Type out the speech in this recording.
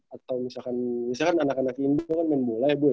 atau misalkan misalkan anak anak indah kan main bola ya bu ya